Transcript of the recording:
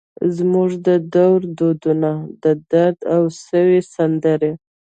زموږ د دور دونو ، ددرد او سوي سندرې